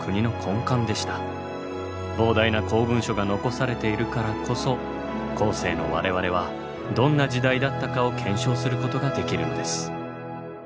膨大な公文書が残されているからこそ後世の我々はどんな時代だったかを検証することができるのです。